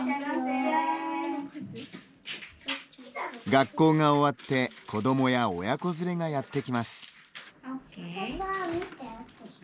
学校が終わって子どもや親子連れがやってきます。